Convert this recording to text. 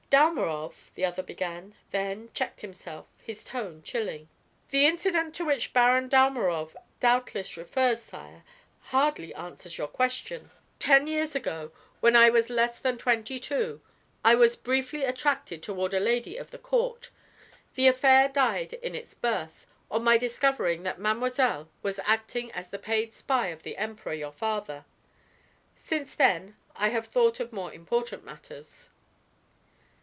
"Dalmorov," the other began, then checked himself, his tone chilling. "The incident to which Baron Dalmorov doubtless refers, sire, hardly answers your question. Ten years ago, when I was less than twenty two, I was briefly attracted toward a lady of the court. The affair died in its birth, on my discovering that mademoiselle was acting as the paid spy of the Emperor, your father. Since then I have thought of more important matters."